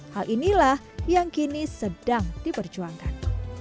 hal inilah yang kini sedang diperjuangkan